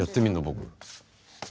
僕。